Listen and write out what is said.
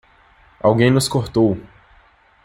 Alguém nos cortou!